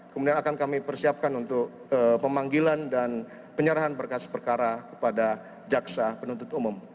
kemudian akan kami persiapkan untuk pemanggilan dan penyerahan berkas perkara kepada jaksa penuntut umum